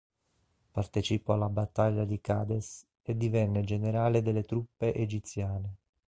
Partecipò alla battaglia di Qadeš e divenne generale delle truppe egiziane.